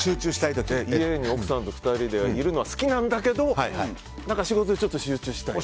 家に奥さんと２人でいるのは好きなんだけど仕事中ちょっと集中したり。